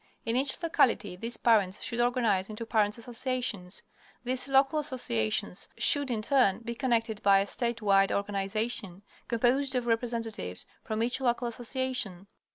In each locality these parents should organize into "Parents' Associations." These local associations should, in turn, be connected by a statewide organization composed of representatives from each local association.